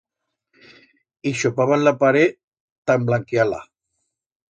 Hixopaban la paret ta emblanquiar-la.